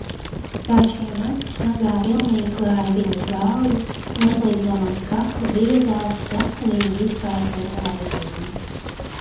Krāšņie mati smagā vilnī klāja viņas galvu, noslīgdami uz kakla biezā, saskanīgi izkārtotā vijumā.